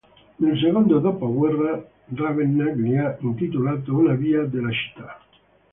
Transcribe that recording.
Nel secondo dopoguerra Ravenna gli ha intitolato una via della città.